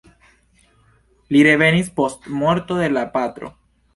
Li revenis post morto de la patro.